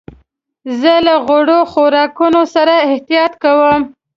زه له غوړو خوراکونو سره احتياط کوم.